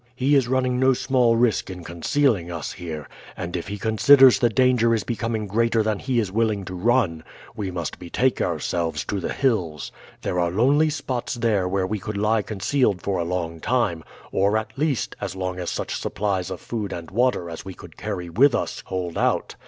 He is running no small risk in concealing us here, and if he considers the danger is becoming greater than he is willing to run, we must betake ourselves to the hills. There are lonely spots there where we could lie concealed for a long time, or, at least, as long as such supplies of food and water as we could carry with us hold out.